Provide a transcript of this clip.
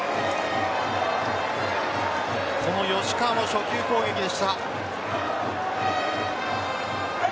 この吉川も初球攻撃でした。